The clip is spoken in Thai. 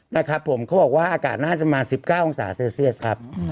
นะครับผมเขาบอกว่าอากาศน่าจะประมาณ๑๙องศาเซลเซียสครับ